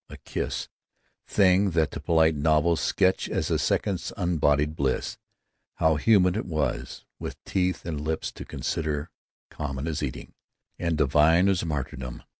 A kiss—thing that the polite novels sketch as a second's unbodied bliss—how human it was, with teeth and lips to consider; common as eating—and divine as martyrdom.